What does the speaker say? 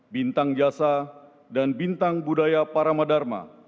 bintang jasa dan bintang budaya paramadharma